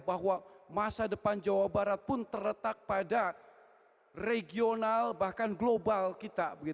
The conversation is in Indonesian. bahwa masa depan jawa barat pun terletak pada regional bahkan global kita